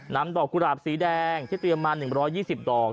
นำดอกกุหลาบสีแดงที่เตรียมมา๑๒๐ดอก